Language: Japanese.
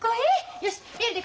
よし。